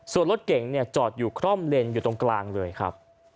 ส่วนรถเก่งเนี่ยจอดอยู่คร่อมเลนอยู่ตรงกลางเลยครับ